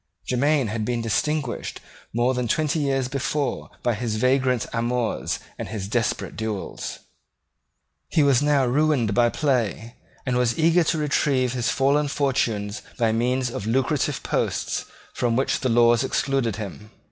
Jermyn had been distinguished more than twenty years before by his vagrant amours and his desperate duels. He was now ruined by play, and was eager to retrieve his fallen fortunes by means of lucrative posts from which the laws excluded him.